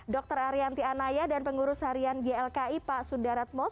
dr arianti anaya dan pengurus harian ylki pak sudarat mos